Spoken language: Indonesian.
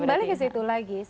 kembali ke situ lagi